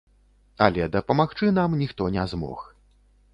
Але дапамагчы нам ніхто не змог.